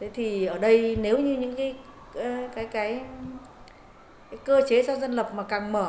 thế thì ở đây nếu như những cái cơ chế cho dân lập mà càng mở